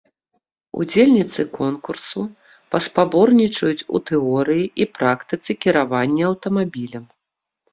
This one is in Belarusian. Удзельніцы конкурсу паспаборнічаюць у тэорыі і практыцы кіравання аўтамабілем.